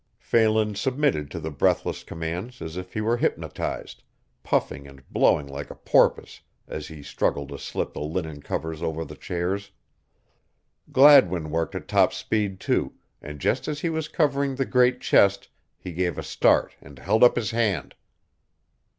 Phelan submitted to the breathless commands as if he were hypnotized, puffing and blowing like a porpoise as he struggled to slip the linen covers over the chairs. Gladwin worked at top speed, too; and just as he was covering the great chest he gave a start and held up his hand.